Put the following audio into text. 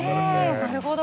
なるほど。